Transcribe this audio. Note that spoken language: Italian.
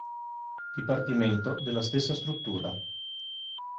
Dipartimento della stessa struttura.